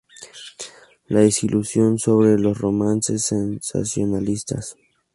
La desilusión sobre los romances sensacionalistas.